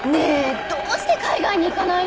どうして海外に行かないの？